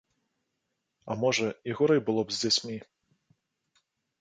А можа, і горай было б з дзяцьмі?